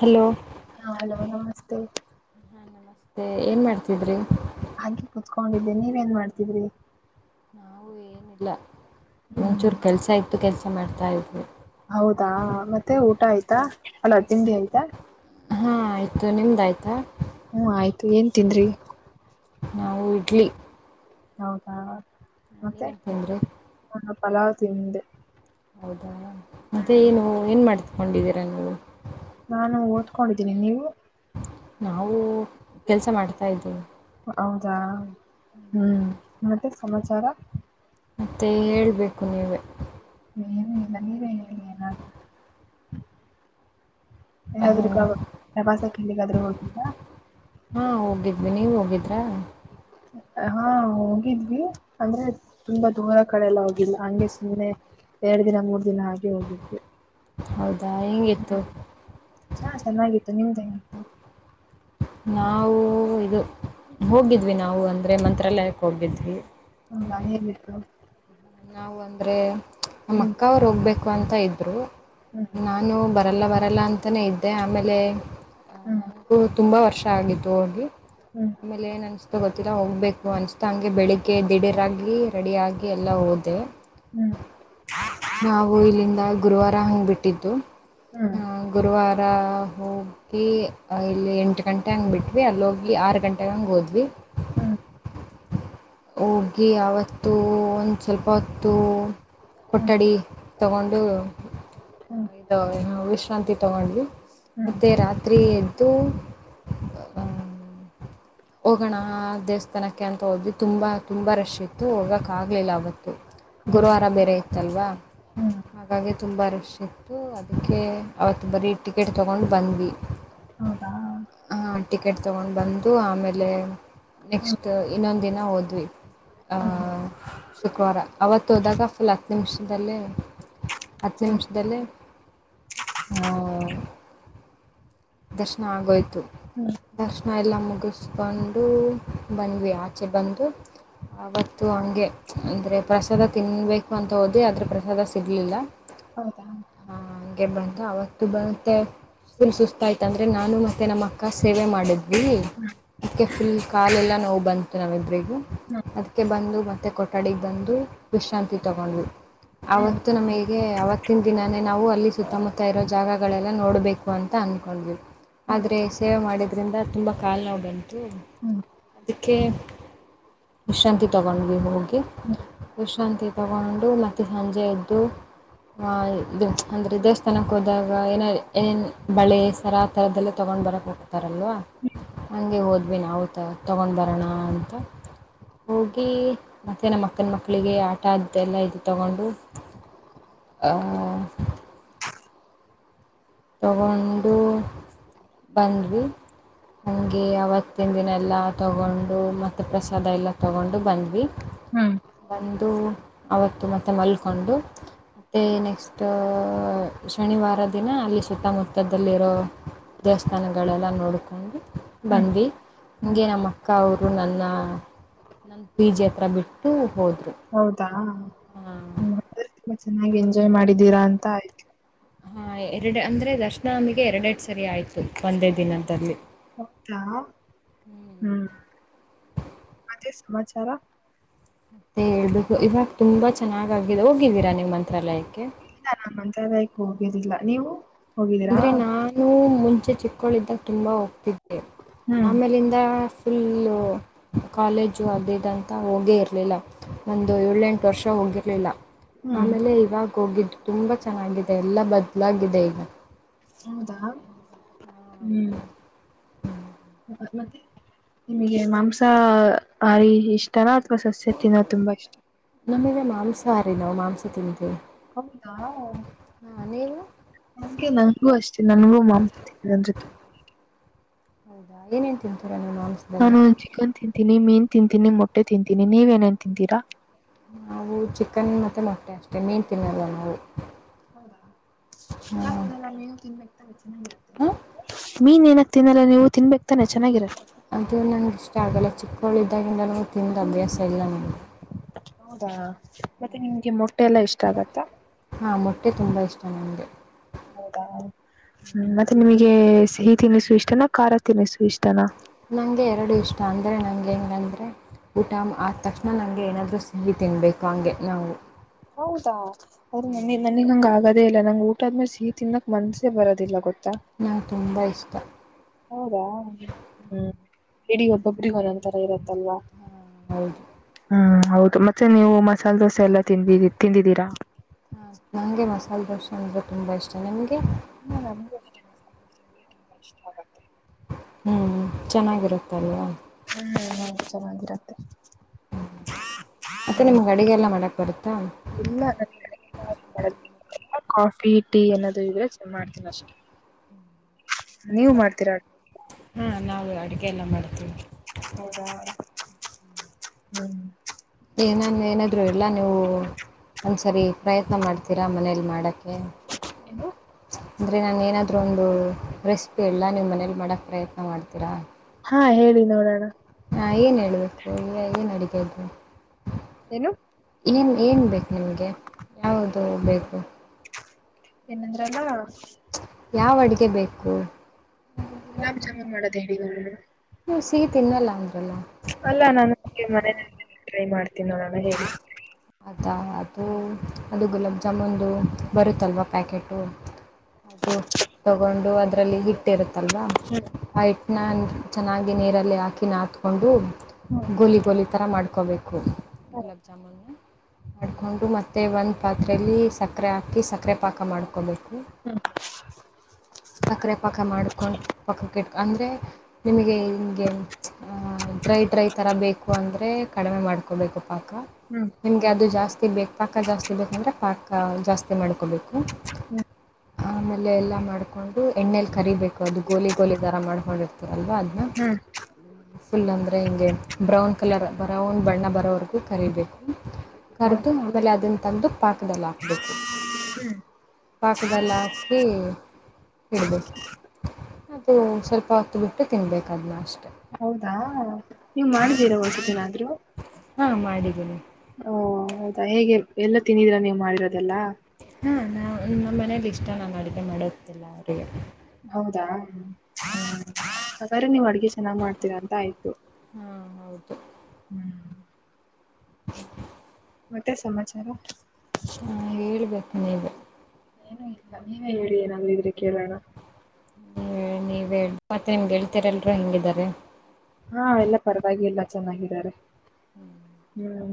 Hello ಹಾ hello ನಮಸ್ತೆ. ಮತ್ತೆ ಏನು ಮಾಡ್ತಿದ್ರಿ? ಹಾಗೆ ಕುತ್ಕೊಂಡಿದ್ದೆ ನೀವ್ ಏನ್ ಮಾಡ್ತಿದ್ರಿ? ನಾವು ಏನಿಲ್ಲ ಹ್ಮ್ ಒಂಚೂರು ಕೆಲಸ ಇತ್ತು ಕೆಲಸ ಮಾಡ್ತಾ ಇದ್ವಿ. ಹೌದಾ ಮತ್ತೆ ಊಟ ಆಯ್ತಾ ಅಲ್ಲ ತಿಂಡಿ ಆಯ್ತಾ? ಹಾ ಆಯ್ತು ನಿಮ್ದ್ ಆಯ್ತಾ? ಹ್ಮ ಆಯ್ತು ಏನ್ ತಿಂದ್ರಿ? ನಾವು ಇಡ್ಲಿ. ಹೌದಾ ಮತ್ತೆ ನೀವೇನ್ ತಿಂದ್ರಿ ನ ಪಲಾವ್ ತಿಂದೆ. ಹೌದಾ ಮತ್ತೆ ಏನು ಏನ್ ಮಾಡ್ತ್ಕೊಂಡಿದ್ದೀರಾ ನೀವು? ನಾನು ಓದ್ಕೊಂಡಿದ್ದೀನಿ ನೀವು? ನಾವು ಕೆಲಸ ಮಾಡ್ತಾ ಇದ್ದೀನಿ. ಹೌದಾ ಹ್ಮ್ ಮತ್ತೆ ಸಮಾಚಾರ? ಮತ್ತೆ ಹೇಳ್ಬೇಕು ನೀವೇ. ನೀನ ಇಲ್ಲ ನೀವೇ ಹೇಳಿ ಏನಾದ್ರೂ. ಯಾದ್ರೂ ಪ್ರವಾಸಕ್ಕೆಲ್ಲಿಗಾದ್ರೂ ಹೋಗಿದ್ರಾ? ಹಾ ಹೋಗಿದ್ವಿ. ನೀವು ಹೋಗಿದ್ರಾ? ಹಾ ಹೋಗಿದ್ವಿ ಅಂದ್ರೆ ತುಂಬಾ ದೂರ ಕಡೆೆಯೆಲ್ಲ ಹೋಗಿಲ್ಲ ಹಂಗೆ ಸುಮ್ಮ್ನೆ ಎರಡು ದಿನ ಮೂರ್ ದಿನ ಹಾಗೆ ಹೋಗಿದ್ವಿ. ಹೌದಾ ಹೆಂಗಿತ್ತು? ಹ್ಮ್ ಚಾ ಚೆನ್ನಾಗಿತ್ತು ನಿಮ್ದು ಹೆಂಗಿತ್ತು? ನಾವು ಇದು ಹೋಗಿದ್ವಿ ನಾವು ಅಂದರೆ ಮಂತ್ರಾಲಯಕ್ಕೆ ಹೋಗಿದ್ವಿ. ಹಾ ನಾನ್ ಎಲ್ಲಿದ್ದು ನ ಅಂದ್ರೆ ಹ್ಮ್ ನಮ್ಮಕ್ಕ ಅವ್ರು ಹೋಗ್ಬೇಕು ಅಂತ ಇದ್ರು ಹ್ಮ್ ನಾ ನು ಬರಲ್ಲ ಬರಲ್ಲ ಅಂತಾನೇ ಇದ್ದೆ ಆಮೇಲೆ ಹ್ಮ್ ನನಗೂ ತುಂಬ ವರ್ಷ ಆಗಿತ್ತು ಹೋಗಿ. ಹ್ಮ್ ಆಮೇಲೆ ಏನು ಅನಿಸ್ತೋ ಗೊತ್ತಿಲ್ಲ ಹೋಗ್ಬೇಕು ಅನಿಸ್ತಾ ಹಂಗೆ ಬೆಳಿಗ್ಗೆ ದಿಢೀರಾಗಿ ರೆಡಿಯಾಗಿ ಎಲ್ಲ ಹೋದೆ. ಹ್ಮ್ [inaudible] ನಾವು ಇಲ್ಲಿಂದ ಗುರುವಾರ ಹಂಗ್ ಬಿಟ್ಟಿದ್ದು ಹ್ಮ್ ಗುರುವಾರ ಹೋಗ್ ಈ ಇಲ್ಲಿ ಎಂಟು ಗಂಟೆ ಹಂಗ್ ಬಿಟ್ವಿ, ಅಲ್ಲಿ ಹೋಗಿ ಆರು ಗಂಟೆಗೆ ಹಂಗೆ ಹೋದ್ವಿ. ಹ್ಮ್ ಹೋಗಿ ಆವತ್ತು ಒಂದು ಸ್ವಲ್ಪ ಹೊತ್ತು ಹ್ಮ್ ಕೊಠಡಿ ತಗೊಂಡು ಹ್ಮ್ ಇದು ಏನು ವಿಶ್ ಶ್ರಾಂತಿ ತಗೊಂಡ್ವಿ ಹ್ಮ್ ಮತ್ತೆ ರಾತ್ರಿ ಎದ್ದು ಹೋಗೋಣ ದೇವಸ್ಥಾನಕ್ಕೆ ಅಂತ ಹೋದ್ವಿ. ತುಂಬ ತುಂಬ ರಶ್ ಇತ್ತು ಹೋಗೋಕ್ಕಾಗ್ಲಿಲ್ಲ ಅವತ್ತು ಹ್ಮ್ ಗುರುವಾರ ಬೇರೆ ಇತ್ತಲ್ವಾ. ಹ್ಮ್ ಹಾಗಾಗಿ ತುಂಬ ರಶ್ ಇತ್ತು ಅದ್ಕೆ ಅವತ್ತು ಬರೀ ಟಿಕೆಟ್ ತೊಗೊಂಡು ಬಂದ್ವಿ. ಹೌದಾ ಹ ಟಿಕೆಟ್ ತಗೊಂಡು ಬಂದು ಆಮೇಲೆ ಹ್ಮ್ ನೆಕ್ಸ್ಟು ಇನ್ನೊಂದು ದಿನ ಹೋದ್ವಿ ಆ. ಹ್ಮ್ ಶುಕ್ರವಾರ ಅವತ್ತು ಹೋದಾಗ ಫುಲ್ ಹತ್ತು ನಿಮಿಷದಲ್ಲಿ ಹತ್ತು ಹ್ಮ್ ನಿಮಿಷ್ದಲ್ಲಿ ಹಾ ದರ್ಶನ ಆಗೋಯ್ತು. ಹ್ಮ ದರ್ಶನ ಎಲ್ಲ ಮುಗಿಸ್ಕೊಂಡು ಬಂದ್ವಿ, ಆಚೆ ಬಂದು ಆವತ್ತು ಹಂಗೆ ಅಂದ್ರೆ ಪ್ರಸಾದ ತಿನ್ಬೇಕು ಅಂತ ಹೋದಿ ಆದ್ರ ಪ್ರಸಾದ ಸಿಗ್ಲಿಲ್ಲ ಹೌದಾ ಹೌದು ಹ ಹಗೆ ಬಂತ ಅವತ್ತು ಬೆ ಫುಲ್ ಸುಸ್ತ ಅಂದ್ರೆ ನಾನು ಮತ್ತೆ ನಮ್ಮ ಅಕ್ಕ ಸೇವೆ ಮಾಡಿದ್ವಿ ಅದಕ್ಕೆ ಫುಲ್ ಕಾಲೆಲ್ಲ ನೋವು ಬಂತ ಇ ನಾವಿಬರಿಗೂ ಹ್ಮ್ ಅದಕ್ಕೆ ಬಂದು ಮತ್ತು ಕೊಠಡಿಗೆ ಬಂದು ವಿಶ್ರಾಂತಿ ತಗೊಂಡ್ ಹ್ಮ್ ಹ್ಮ್ ಆತ್ತು ನಮಗೆ ಹಾಗಗೆ ಅವತ್ತಿನ ದಿನಾನೇ ನಾವು ಅಲ್ಲಿ ಸುತ್ತಮುತ್ತ ಇರೋ ಜಾಗಗಳೆಲ್ಲ ನೋಡ್ಬೇಕು ಅಂತ ಅನ್ಕೊಂಡ್ವಿ ಆದ್ರೆ ಸೇವೆ ಮಾಡಿದ್ರಿಂದ ತುಂಬಾ ಕಾಲು ನಾವು ಬಂತು ಹ್ಮ್ [inaudible] ಅದಕ್ಕೆ ವಿಶ್ರಾಂತಿ ತಗೊಂಡ್ವಿ ಹೋಗಿ ವಿಶ್ರಾಂತಿ ತಗೊಂಡು ಮತ್ತೆ ಸಂಜೆ ಎದ್ದು ಇದು ಅಂದರೆ ದೇವಸ್ಥಾನಕ್ಕೆ ಹೋದಾಗ ಏನ ಏನು ಬಳೆ ಸರ ಆ ಥರದಲ್ಲೇ ತೊಗೊಂಡ್ ಬರಕ್ ಹೋಗ್ತಾರಲ್ವಾ ನಗೆ ಹೋದ್ವಿ ನವು ತ ತೊಗೊಂಡ್ ಬರೋಣ ಅಂತ ಹೋಗಿ ಮತ್ತು ನಮ್ಮ ಅಕ್ಕನ ಮಕ್ಕಳಿಗೆ ಆಟ ಅ್ದಲ್ಲ ಇದು ತಗೊಂಡು ಹ ತಗೊಂಡು ಬಂದ್ವಿ ಹಂಗೆ ಅವವತ್ತಿನ ದಿನ ಎಲ್ಲ ತಗೊಂಡು ಮತ್ತುತ್ತೆ ಪ್ರಸಾದ ಎಲ್ಲ ತಗೊಂಡು ಬಂದ್ವಿ ಹ್ಮ್ ಬಂದು ಅವತ್ತು ಮತ್ತೆ ಮಲ್ಕೊಂಡು ಮತ್ತೆ ನೆಕ್ಸ್ಟ್ ಶನಿವಾರ ದಿನ ಅಲ್ಲಿ ಸುತ್ತಮುತ್ತದಲ್ಲಿರೋ ದೇವಸ್ಥಾನಗಳೆಲ್ಲ ನೋಡಿಕೊಂಡು ಹ್ಮ್ ಬಂದು ಹ್ಮ್ ಹೀಗೆ ನಮ್ಮ ಅಕ್ಕ ಅವರು ನನ್ನ ನನ್ನ ಪಿ ಜಿ ಹತ್ರಿ ಬಿಟ್ಟು ಹೋದರು ಹೌದಾ್ಮೆ ಹಾಂ ತುಂಬಾ ಚೆನ್ನಾಗಿ ಎಂಜಾಯ್ ಮಾಡಿದ್ದೀರಾ ಅಂತ ಆಯ್ತು ಹಾ ಎರಡು ಅಂದ್ರೆ ದರ್ಶನ ನಮಗೆ ಎರಡೆಡ್ ಸರಿ ಆಯ್ತು ಒಂದೇ ದಿನದಲ್ಲಿ ಹೌದಾ ಹ್ಮ್ ಮತ್ತೆ ಸಮಾಚಾರ ಮತ್ತೆ ಹೇಬೇಕು ಇವಾಗ ತುಂಬಾ ಚೆನ್ನಾಗಾಗಿದೆ ಹೋಗಿವೀರಾ ನಿ್ ಮಂತ್ರಾಲಯಕ್ಕೆ ಇ ನಾನ್ ಮಂಂತರಾಯಕ್ ಹೋಗೋುದಿಲ್ಲ ನೀವು ಹೋಗಿದ್ದೀರಾ ಅಂದ್ರೆ ನಾನು ಮುಂಚೆ ಚಿಕ್ಕಳಿದ್ದಾಗ ತುಂಬಾ ಹೋಗ್ತಿದ್ದೆ ಹ್ಮ್ ಆಮೇಲೆ ಫುಲ್ಲು ಕಾಲೇಜು ಅಡೇಟ್ ಅಂತ ಹೋಗೇ ಇರಲಿಲ್ಲ ಒಂದು ಏಳೆಂಟು ವರ್ಷ ಹೋಗಿರ್ಲಿಲ್ಲ ಹ್ಮ್ ಆಮೇಲೆ ಇವಾಗ ಹೋಗಿದ್ದು ತುಂಬಾ ಚೆನ್ನಾಗಿದೆ ಎಲ್ಲಾ ಬದ್ಲಾಗಿದೆ ಈಗ ಹೌದಾ ಹೌದು ಹ್ಮ್ ಮತ್ತೆ ನಿಮಗೆ ಮಾಂಸ ಹಾರಿ ಇಷ್ಟಲ್ಲ ಅಥವಾ ಸಸ್ಯ ತಿನ್ನೋದು ತುಂಬಾ ಇಷ್ಟ ನಮಗೆ ಮಾಂಸಹಾರಿ ನಾವು ಮಾಂಸ ತಿಂದು ಹೌದಾ ನಂಗೆ ನನ್ಗೂ ಅಷ್ಟೇ ನನಗೂ ಮಾಂಸ ನನ್ೊತೆ ಹೌದಾ ಏನೇನ್ ತಿಂತೀರ ನೀನ್ ಅನ್್ತ ನಾನು ಚಿಕನ್ ತಿಂತೀನಿ ಮೀನ್ ತಿಂತೀನಿ ಮೊಟ್ಟೆ ತಿಂತೀನಿ ನೀವ ಏನೇನ್ ತಿಂತೀರಾ ನಾವು ಚಿಕನ್ ಮತ್ತೆ ಮೊಟ್ಟೆ ಅಷ್ಟೆ ನೀನ್ ತಿನ್ನಲ್ಲ ನಾವು ಹೌದಾ ಹಾಂ ನಗ್ತೀನಲ್ಲ ನೀವು ತಿ ಹಾಂ ಮೀನ್ ಏನಕ್ ತಿನ್ನಲ್ಲ ನೀವು ತಿನ್ಬೇಕಕ್ ತಾನೆ ಚೆನ್ನಾಗಿರುತ್ತೆ ಅಂತ ನನ್ಗ ಇಷ್ಟ ಆಗಲ್ಲ ಚಿಕ್ಕವಗಳು್ದಾಗಿಂದ ನ ತಂದು ಅಭ್ಯಾಸ ಇಲ್ಲ ನಂಗೆ ಹೌದಾ ಮತ್ತೆ ನಿಮ್ಗೆ ಮೊಟ್ಟೆ ಎಲ್ಲಾ ಇಷ್ಟ ಆಗತ್ತಾ ಹಾ ಮೊಟ್ಟೆ ತುಂಬಾ ಇಷ್ಟ ನನಗೆ ಹೌದ ಹ್ಮ ಮತ್ತೆ ನಿಮಗೆ ಸಿಹಿ ತಿನಿಸು ಇಷ್ಟನ ಖಾರ ತನ್ನಿಸು ಇಷ್ಟನ ನನಗೆ ಎರಡು ಇಷ್ಟ ಅಂದರೆ ನನಗೆಗಂದರೆ ಊಟ ಆದ ತಕ್ಷಣ ನಂಗೆ ಏನಾದ್ ಸಿಹಿ ತಿನ್ಬೇಕು ಹಂಗೆ ನಾವು ಹೌದಾ ಅ್ರ ಹ್ಞೂ, ನ ನನಗ್ ಹಂಗ ಆಗದೇ ಇಲ್ಲ ನಂಗ್ ಊಟ ಆದ್ಮೇಲೆ ಸಿಹಿ ತಿದಕ್ ಮನ್ಸ ಬರೋದಿಲ್ಲ ಗೊತ್ತಾ ನಂಗೆ ತುಂಬ ಇಷ್ಟ ಹೌದಾ ಹ್ಮ್ ಇಡಗ ಒಬ್ಬೊಬರಿಗ ಒಂದೊಂದ್ ತರ ಇರತ್ತಲ್ವಾ ಹಾಂ ಹೌದು ಹ್ಮ್ ಹೌದು ಮತ್ತೆ ನೀವು ಮಸಾಲೆ ದೋಸೆ ಎಲ್ಲಾ ತಿಂದ ತಿಂದಿದ್ದೀರಾ ಹಾ ನನಗೆ ಮಸಾಲೆ ದೋಸೆ ಅಂದರೆ ತುಂಬ ಇಷ್ಟ ನಮಗೆ ಹ ಹ್ಞೂ ಚೆನ್ನಾಗಿರುತ್ತಲ್ವಾ ಹ್ಮ್ ನ ಚೆನ್ನಾಗಿರುತ್ತೆ ಮತ್ತೆ ನಿಮ್ಗೆ ಅಡಗೆಲ್ಲಾ ಮಾಡಕ್ ಬರುತ್ತಾ ಇಲ್ಲ ಕಾಫಿ ಟೀ ಏನದು ಇದ್ರೆ ಚೆನ್ನ ಮಾಡ್ತೀನ ಅಷ್ಟೆ ನೀವು ಮಾಡ್ತೀರಾ ಹಾ ನಾವು ಅಡುಗೆ ಎಲ್ಲ ಮಾಡ್ತೀವಿ ಹ್ಮ ಹ್ಮ್ ಏನಾನ ಏನಾದರೂ ಎಲ್ಲ ನೀವು ಒಂದ್ಸರಿ ಪ್ರಯತ್ನ ಮಾಡ್ತೀರಾ ಮನೇಲಿ ಮಾಡೋಕ್ಕೆ ನು [unintelligible] ಅಂದರೆ ನಾನು ಏನಾದರೂ ಒಂದು ರೆಸಿಪಿ ಎಲ್ಲ ನೀಮ್ಮ ಮನೇಲಿ ಮಾಡೋಕ್ಕೆ ಪ್ರಯತ್ನ ಮಾಡ್ತೀರಾ ಹಾ ಹೇಳಿ ನೋಡೋಣ ಹಾ ಏನು ಹೇಳ್ಬೇಕು ಈಗ ಏನು ಅಡಗೆ ಇದು ಏನು ಏನು ಏನು ಬೇಕು ನಿಮಗೆ ಯಾವುದು ಬೇಕು ಏನಂದ್ರ ಎಲ್ಲ ಕ ಯಾವ ಅಡ್ಗೆ ಬೇಕು ಗುಲಾಬ್ ಜಾಮೀನ್ ಮಾಡೋದೇ ಹೇಳಗರು ನೀವು ಸಿಗಿ ತಿನ್ವಲ್ಲ ಅಂದ್ರಲ್ಲ ಅಲ್ಲಾ ನಾನು ಮನ ಟ್ರೈ ಮಾಡ್ತೀನಿ ನೋಡೋಣ ಹೇಳಿ ಅದ ಅದು ಅದು ಗುಲಾಬ್ ಜಾಮೂನ್ದು ಬರುತ್ತಲ್ವ ಪ್ಯಾಕೆಟು ಅದು ತಗೊಂಡು ಅದ್ರಲ್ಲಿ ಹಿಟ್ಟಿರುತ್ತಲ್ವಾ ಹ ಹೈಟ್ನ ಚೆನ್ನಾಗಿ ನೀರಲ್ಲಿ ಹಾಕಿ ಹಾತ್ಕೊಂಡು ಗೋಲಿ ಗೋಲಿ ತರ ಮಾಡ್ಕೋಬೇಕು ಗುಲಬ ಜಾಮುನ್ ಮಾಡಿಕೊಂಡು ಮತ್ತೆ ಒಂದು ಪಾತ್ರೆಯಲ್ಲಿ ಸಕ್ಕರೆ ಹಾಕಿ ಸಕ್ಕರೆ ಪಾಕ ಮಾಡ್ಕೋಬೇಕು ಹ್ಮ್ ಸಕ್ಕರೆ ಪಾಕ್ಕ ಮಾಡ್ಕೊಂಡು ಪಕ್ಕಕ್ಕೆಟ್ಕ ಅಂದ್ರೆ ನಿಮಗೆ ಹಮಗೆ ಡ್ರೈ ಡ್ರೈ ಥರ ಬೇಕು ಅಂದರೆ ಕಡಿಮೆ ಮಾಡ್ಕೋಬೇಕು ಪಾಕ ಹ್ಮ್ ನಿಮಗೆ ಅದು ಜಾಸ್ತಿ ಬೇಕು ಪಾಕ ಜಾಸ್ತಿ ಬೇಕಂದ್ರರೆ ಪಾಕ ಜಾಸ್ತಿ ಮಾಡ್ಕೊಬೇಕು ಹ್ಮ್ ಆಮೇಲೆ ಎಲ್ಲ ಮಾಡ್ ಹಾಕೊಂಡು ಎಣ್ಣೇಲಿ ಕರಿಬೇಕು ಅದು ಗೋಲಿ ಗೋಲಿ ತರ ಮಾಡ್ಕೊಂಡಿರ್ತ ಅಲ್ವಾ ಅದ್ನ್ನ. ಹ್ಮ್ ಫುಲ್ ಅಂದ್ರೆ ಹಿಂಗೆ ಬ್ರೌನ್ ಕಲರ್ ಬ್ರೌನ್ ಬಣ್ಣ ಬರೋವರೆಗೂ ಕರಿಬೇಕು. ಹೌ ಕರದು. ಆಮೇಲೆ ಅದನ್ನು ತಂದು ಪಾಕದಲ್ಲಿ ಹಾಕಬೇಕು ಹ್ಮ್ ಪಾಕದಲ್ಲಿ ಹಾಕಿ ಇಡಬೇಕು ಅದು ಸ್ವಲ್ಪ ಹೊತ್ತು ಬಿಟ್ಟು ತಿನ್ಬೇಕು ಅದನ್ನ ಅಷ್ಟೆ ಹೌದಾ ನೀವು ಮಾಡಿದ್ದೀರಾ ಒಂದ ಸತಿನಾದ್ರು. ಹಾ ಮಾಡಿದಿನಿ. ಓ ಹೌದಾ ಹೇಗೆ ಎಲ್ಲ ತಿಂದೀದಿರ್ ನೀವು ಮಾಡಿರೋದೆಲ್ಲ ಹಾ ನಾ ನಮ್ಮ್ ಮನೇಲಿ ಇಷ್ಟ ನಾನು ಅಡುಗೆ ಮಾಡೋದೆಲ್ಲ ಅವ್ರಿಗೆ. ಹೌದಾ ಹಾಗಾದ್ರೆ ನೀವು ಅಡ್ಗೆ ಚೆನ್ನಾಗ್ ಮಾಡ್ತೀರಾ ಅಂತ ಆಯ್ತು. ಹಾ ಹೌದು ಹ್ಮ್ ಮತ್ತೆ ಸಮಾಚಾರ. ಹಾ ಹೇಳ್ಬೇಕು ನೀವೂ. ಏನುೂ ಇಲ್ಲ ನೀವೇ ಹೇಳಿ ಏನ್ ಆದ್ರು ಇದ್ರೆ ಕೇಳೋಣ ನೀ ನೀವ ಹೇಳಿ ಮತ್ತೆ ನಿಮ ಗೆಳತಿ ಎಲ್ರು ಹೆಂಗಿದಾರೆ. ಹಾ ಎಲ್ಲಾ ಪರವಾಗಿಲಾ ಚೆನ್ನಾಗಿದ್ದಾರೆ ಹೂ. ಹ್ಮ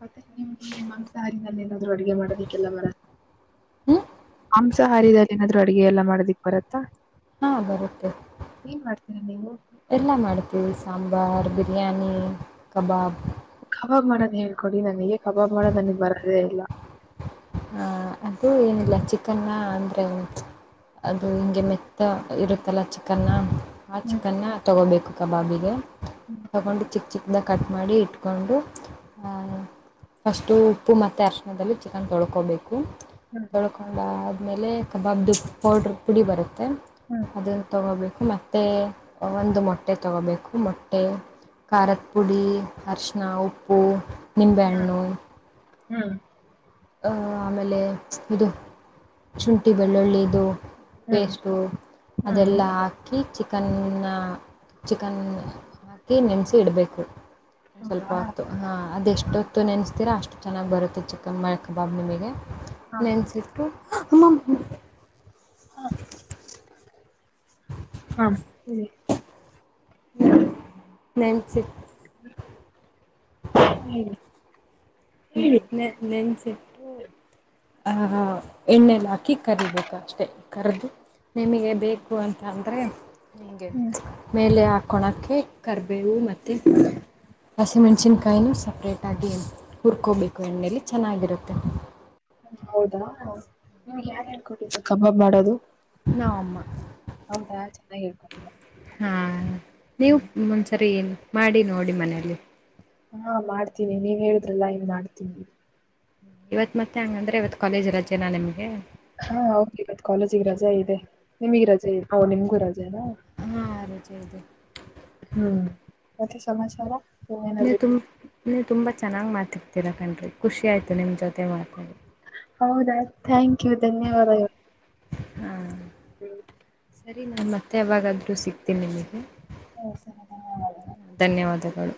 ಮತ್ತೆ ನಿಮ್ ಮಾಂಸಹಾರಿನಲ್ಲಿ ಏನಾದ್ರು ಅಡುಗೆ ಮಾಡದಕ್ಕೆಲ್ಲ ಬರತಾ ಹ್ಮ್ ಮಾಂಸಾಹಾರದಲ್ಲಿ ಏನಾದ್ರು ಅಡುಗೆ ಎಲ್ಲ ಮಾಡೋದಿಕ್ ಬರತ್ತಾ ಹಾ ಬರುತ್ತೆ ಏನ್ ಮಾಡ್ತೀರಾ ನೀವು ಎಲ್ಲ ಮಾಡ್ತೀವಿ ಸಾಂಬಾರ ಬಿರಿಯಾನಿ ಕಬಾಬ್. ಕಬಾಬ್ ಮಾಡೋದ ಹೇಳ್ಕೊಡಿ ನನಗೆ ಕಬಾಬ್ ಮಾಡೋದು ನನಗ್ ಬರೋದೇ ಇಲ್ಲ ಹ ಅದು ಏನಿಲ್ಲ ಚಿಕನ್ನ ಅಂದ್ರೆ. ಅದು ಹಿಂಗೆ ಮೆತ್ತ ಇರುತ್ತಲ್ಲ ಚಿಕನ್ನ ಆ ಹ್ಮ್ ಚಿಕನ್ನ. ತಗೋಬೇಕು ಕಬಾಬಿಗೆ ತಗೊಂಡು ಚಿಕ್ಕ ಚಿಕ್ಕ. ಅ ಕಟ್ ಮಾಡಿ ಇಟ್ಕೊಂಡು ಫಸ್ಟು ಉಪ್ಪು ಮತ್ತೆ ಅರ್ ಕೀದಲ್ಲಿ ಚಿಕನ್ ತೊಳ್ಕೊಬೇಕು ಹ್ಮ್ ತೊಳ್ಕೊಂಡಾದ್ಮೇಲೆ ಕಬಾಬದು ಪೌಡ್ರ ಪುಡಿ ಬರುತ್ತೆ. ಹ್ಮ್ ಅದನಾ ತಗೋಬೇಕು ಮತ್ತೆ ಒಂದು ಮೊಟ್ಟೆ ತೊಗೋಬೇಕು ಮೊಟ್ಟೆ ಖಾರದ ಪುಡಿ ಅರಶಿನ ಉಪ್ಪು ನಿಂಬೆಹಣ್ಣು. ಹ್ಮ್ ಆಮೇಲೆ ಶೀನ ಇದು ಶುಂಠಿ ಬೆಳ್ಳುಳ್ಳಿದು ಹ್ಮ್ ಪೇಸ್ಟು ಹ್ಮ್ ಅದೆಲ್ಲಾ ಹಾ ಹಾಕಿ ಚಿಕನ್ನ ಚಿಕನ್ ಹಾಕಿ ನೆನೆಸಿ ಇಡಬೇಕು ಹ್ಮ್ ಸ್ವಲ್ಪ ಹೌದಾ ಹೊತ್ತು ಹಾ ಅದೆಷ್ಟೊತ್ತು ನೆನೆಸ್ತೀರಾ ಅಷ್ಟು ಚೆನ್ನಾಗಿ ಬರುತ್ತೆ ಚಿಕ್ಕನ್ ಮೇಲೆ ಕಬಾಬ್ ಮೇಲೆಗೆ. ನೆನೆಸಿಟ್ಟು ಅಮ್ಮ. ಹೂ ಹೇಳಿ ಹೂ ನೆನೆಸಿಟ್ಟು. ಹ್ಮ್ ಹ್ಮ ನೆ ನೆನ್ಸಿಟೂ. ಎಣ್ಣೆಲಿ ಹಾಕಿ ಕರಿಬೇಕು ಅಷ್ಟೇ ಕರೆದು ನಿಮಗೆ ಬೇಕು ಉಪ್ಪು ಅಂತಂದರೆ ಹಿಂಗೆ ಮೇಲೆ ಹಾಕೊಳೋಕ್ಕೆ ಕರ್ಬೇವು ಮತ್ತು ಹಸಿ ಮೆಣಸಿನಕಾಯಿ ಸಪ್ರೇಟಾಗಿ ಹುರ್ಕೋಬೇಕು ಎಣ್ಣೆಲ್ಲಿ ಚೆನ್ನಾಗಿರುತ್ತೆ ಹ ಹೌದಾ ನಿಮಗ ಯಾರ್ ಹೇಳಿ ಕೊಟ್ಟಿದು ಕಬಾಬ್ ಮಾಡೋದು. ನಮ್ಮ ಅಮ್ಮ ಹೌದಾ ಚೆನ್ನಾಗಿ ಹೇಳ್ಕೊ ಹಾ ನೀವು ಒಂದ ಒಂದ್ಸರಿ ಮಾಡಿ ನೋಡಿ ಮನೇಲಿ ಹಾ ಮಾಡ್ತೀನಿ ನೀವ ಹೇಳುದ್ರಲ್ಲ ಇನ್ ಮಾಡ್ತೀವಿ ಇವತ್ತ್ತೆ ಮತ್ತೆ ಹಂಗಂದ್ರೆ ಇವತ್ ಕಾಲೇಜ್ ರಜೆನಾ ನಿಮ್ಗೆ ಹಾ ಹೌದ ಇವತ್ ಕಾಲೇಜಿಗೆ ರಜಾ ಇದೆ ನಿಮಗ ರಜೆ ಇದೆ ಹ ನಿಮ್ಗೂ ರಜೆನಾ ಹಾ ರಜೆ ಇದೆ ಹ್ಮ್ ಮತ್ತೆ ಸಮಾಚಾರ ಆ ನೀವು ತುಂಬ ನೀವು ತುಂಬ ಚೆನ್ನಾಗಿ ಮಾತಾಡ್ತೀರಾ ಕಣ್ರಿ ಖುಷಿ ಆಯಿತು ನಿಮ್ಮ ಜೊತೆ ಮಾತಾಡಿ. ಹೌದಾ ಥ್ಯಾಂಕ್ ಯು ಧನ್ಯವಾದಗಳು. ಹ ಹ್ಮ ಸರಿ ನಾನು ಮತ್ತೆ ಯಾವಾಗಾದರೂ ಸಿಗ್ತೀನಿ ನಿಮಗೆ ಹಓ ಸರ್ ಧನ್ಯವಾದಗಳು.